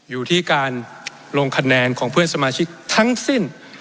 อยู่ที่การลงคะแนนของเพื่อนสมาชิกทั้งสิ้น